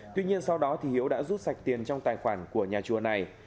tuy nhiên sau đó hiếu đã rút sạch tiền trong tài khoản của nhà chùa này